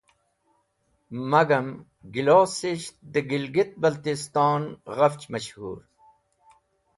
Magam, gilosisht dẽ Gilgit-Baltiston ghafch mashũr.